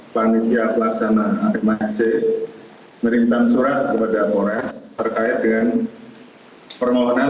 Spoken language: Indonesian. panitia pelaksanaan dan juga penghasilan